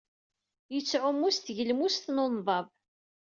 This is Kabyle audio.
Yettɛumu s tgelmust n unḍab.